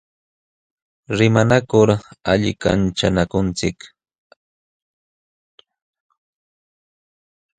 Limanakul allichanakunchik.